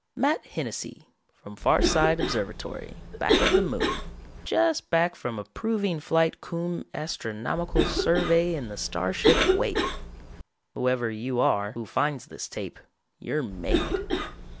Matt Hennessy, from Farside Observatory, back of the Moon, just back from a proving flight cum astronomical survey in the starship Whale. Whoever you are who finds this tape, you're made.